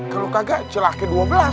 kalau kagak celah ke dua belas